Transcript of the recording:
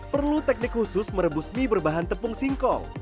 perlu teknik khusus merebus mie berbahan tepung singkong